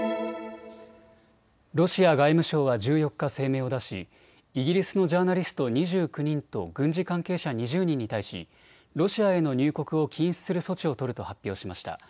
ロシア外務省は１４日、声明を出しイギリスのジャーナリスト２９人と軍事関係者２０人に対しロシアへの入国を禁止する措置を取ると発表しました。